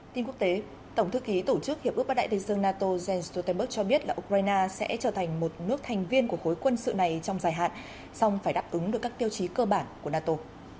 tin quốc tế tổng thư ký tổ chức hiệp ước bắc đại tây dương nato jens stoltenberg cho biết là ukraine sẽ trở thành một nước thành viên của khối quân sự này trong dài hạn song phải đáp ứng được các tiêu chí cơ bản của nato